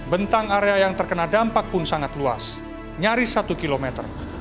bentang area yang terkena dampak pun sangat luas nyaris satu kilometer